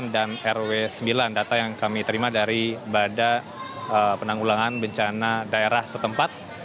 dan rw sembilan data yang kami terima dari bada penanggulangan bencana daerah setempat